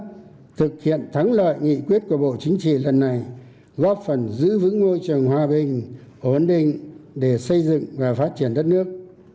thực hiện thắng lợi nghị quyết của bộ chính trị lần này góp phần giữ vững môi trường hòa bình ổn định để xây dựng và phát triển đất nước